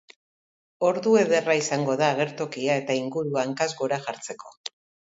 Ordu ederra izango da agertokia eta ingurua hankaz gora jartzeko.